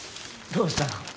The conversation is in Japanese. どうしたの？